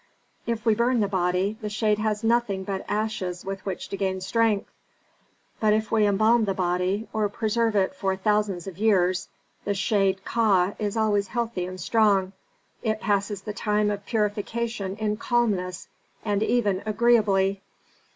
If we burn the body the shade has nothing but ashes with which to gain strength. But if we embalm the body, or preserve it for thousands of years the shade Ka is always healthy and strong; it passes the time of purification in calmness, and even agreeably."